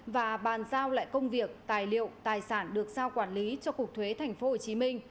và bàn giao lại công việc tài liệu tài sản được giao quản lý cho cục thuế tp hcm